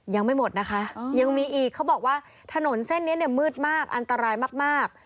ยังไม่หมดนะคะยังมีอีกเขาบอกว่าถนนเส้นนี้เนี่ยมืดมากอันตรายมาก